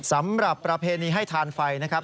สำหรับประเพณีให้ทานไฟนะครับ